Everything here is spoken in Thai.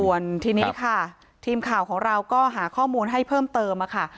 ส่วนทีนี้ค่ะทีมข่าวของเราก็หาข้อมูลให้เพิ่มเติมค่ะ